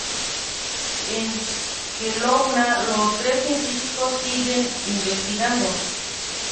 En Kelowna los tres científicos siguen investigando.